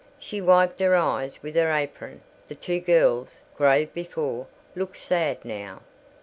She wiped her eyes with her apron: the two girls, grave before, looked sad now.